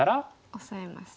オサえます。